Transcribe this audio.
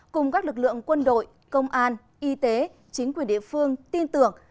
cùng các lực lượng quân đội công an y tế chính quyền địa phương tin tưởng